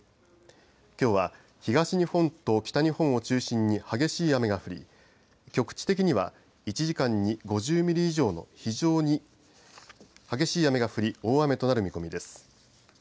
きょうは東日本と北日本を中心に激しい雨が降り局地的には１時間に５０ミリ以上の非常に雨が降り大雨となる見込みです。